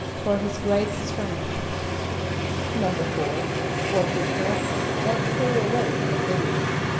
=For his great strength.= =4.= What did S[)a]m´son once carry away from a city?